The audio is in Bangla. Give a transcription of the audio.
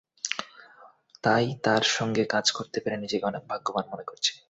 তাই তাঁর সঙ্গে কাজ করতে পেরে নিজেকে অনেক ভাগ্যবান মনে করছি।